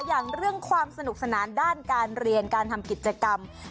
อย่างเรื่องความสนุกสนานด้านการเรียนการทำกิจกรรม